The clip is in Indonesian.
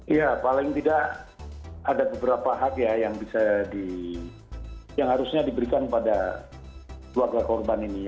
ya paling tidak ada beberapa hak yang harusnya diberikan pada keluarga korban ini